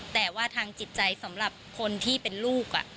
แต่ว่าทางจิตใจสำหรับคนที่เป็นลูก